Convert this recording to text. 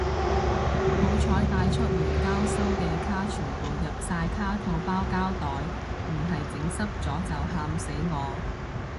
好彩帶出門交收嘅卡全部入晒卡套包膠袋，唔係整濕咗就喊死我